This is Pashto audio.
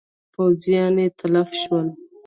پوځیان یې تلف شول.